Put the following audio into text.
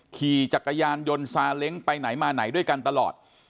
ขี่จักรยานยนต์ซาเล้งไปไหนมาไหนด้วยกันตลอด